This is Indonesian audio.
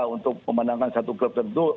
untuk memandangkan satu klub tentu